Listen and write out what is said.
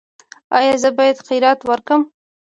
ایا زه باید خیرات ورکړم؟